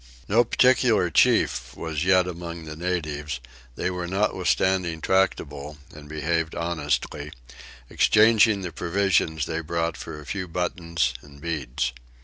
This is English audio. No particular chief was yet among the natives: they were notwithstanding tractable, and behaved honestly, exchanging the provisions they brought for a few buttons and beads.